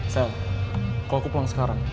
sel kalo aku pulang sekarang